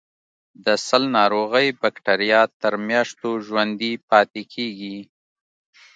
د سل ناروغۍ بکټریا تر میاشتو ژوندي پاتې کیږي.